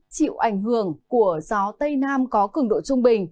chịu ảnh hưởng của gió tây nam có cường độ trung bình